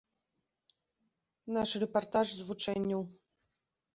Наш рэпартаж з вучэнняў.